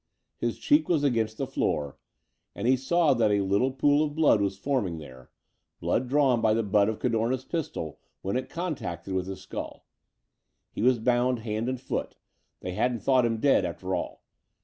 His cheek was against the floor and he saw that a little pool of blood was forming there, blood drawn by the butt of Cadorna's pistol when it contacted with his skull. He was bound hand and foot. They hadn't thought him dead, after all.